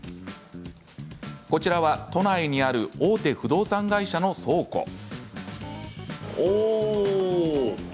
こちらは都内にある大手不動産会社の倉庫。